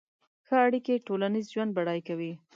ښه اړیکې ټولنیز ژوند بډای کوي.